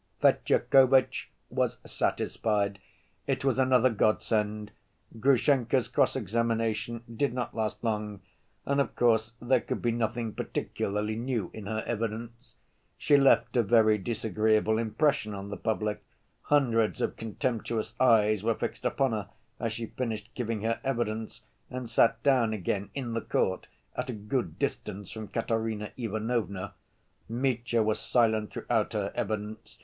Fetyukovitch was satisfied: it was another godsend. Grushenka's cross‐examination did not last long and, of course, there could be nothing particularly new in her evidence. She left a very disagreeable impression on the public; hundreds of contemptuous eyes were fixed upon her, as she finished giving her evidence and sat down again in the court, at a good distance from Katerina Ivanovna. Mitya was silent throughout her evidence.